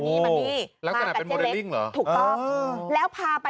ถูกก็แล้วพาไป